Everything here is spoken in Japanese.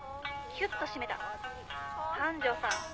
「キュッと締めた」「」